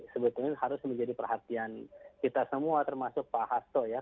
sebetulnya harus menjadi perhatian kita semua termasuk pak hasto ya